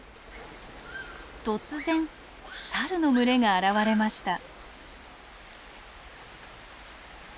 突然サルの群れが現れました。